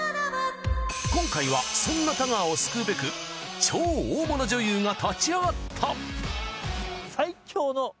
今回はそんな太川を救うべく超大物女優が立ち上がった！